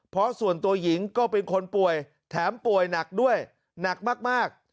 เพราะส่วนตัวหญิงก็เป็นคนป่วยแถมป่วยหนักด้วยหนักมาก